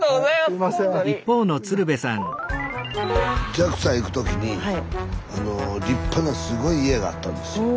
ＪＡＸＡ行く時に立派なすごい家があったんですよ。